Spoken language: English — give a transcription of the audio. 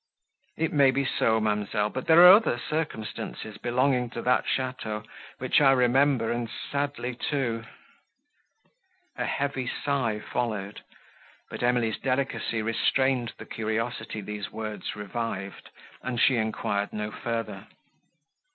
"It may be so, ma'amselle, but there are other circumstances, belonging to that château, which I remember, and sadly too." A heavy sigh followed: but Emily's delicacy restrained the curiosity these words revived, and she enquired no further.